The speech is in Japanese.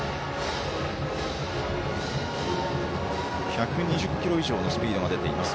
１２０キロ以上のスピードが出ています。